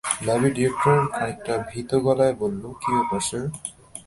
লাইব্রেরির ডিরেক্টর খানিকটা ভীত গলায় বলল, কি ব্যাপার স্যার?